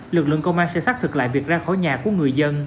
lực lượng công an sẽ xác thực lại việc ra khỏi nhà của người dân